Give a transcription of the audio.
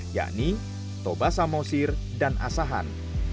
yakni toba samosir dan asahan